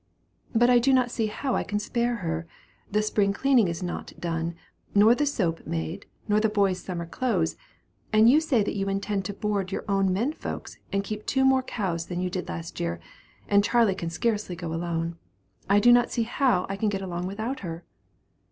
"But I do not see how I can spare her; the spring cleaning is not done, nor the soap made, nor the boys' summer clothes; and you say that you intend to board your own 'men folks' and keep two more cows than you did last year; and Charley can scarcely go alone. I do not see how I can get along without her."